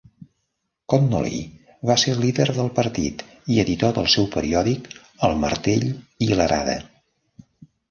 Connolly va ser el líder del partit i editor del seu periòdic, "El martell i l'arada".